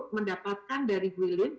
mendapatkan dari gwilin